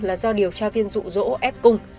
là do điều tra viên rụ rỗ ép cung